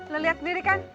lo lihat diri kan